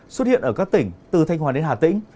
xuất hiện ở các tỉnh từ thanh hòa đến hà tĩnh